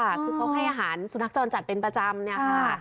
คือเขาให้อาหารสุนัขจรจัดเป็นประจำ